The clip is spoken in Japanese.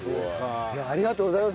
ありがとうございます